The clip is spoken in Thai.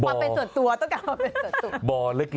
ความเป็นส่วนตัวต้องการความเป็นส่วนตัวเล็ก